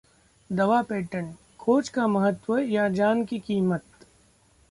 दवा पेटेंट: खोज का महत्व या जान की कीमत